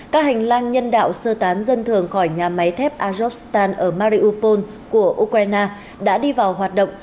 các hành lang nhân đạo sơ tán dân thường khỏi nhà máy thép azokstan ở mariupol của ukraine đã đi vào hoạt động